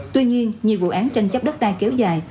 tuy nhiên nhiều vụ án tranh chấp đất đai kéo dài